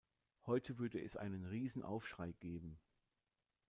Heute würde es einen Riesenaufschrei geben.